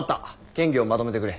建議をまとめてくれ。